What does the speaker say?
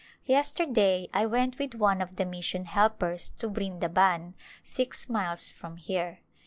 Yesterday I went with one of the mission helpers to Brindaban, six miles from here.